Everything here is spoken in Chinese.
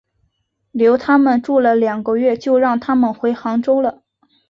留他们住了两个月就让他们回杭州了。